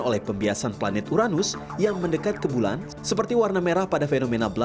oleh penyelamat yang berbeda dengan penyelamat yang berbeda dengan penyelamat yang berbeda